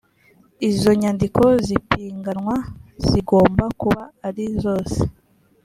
izo nyandiko z’ipiganwa zigomba kuba ari zose